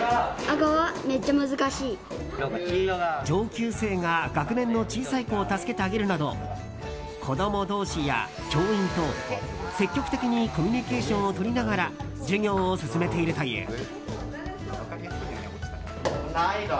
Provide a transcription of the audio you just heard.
上級生が学年の小さい子を助けてあげるなど子供同士や教員と積極的にコミュニケーションをとりながら授業を進めているという。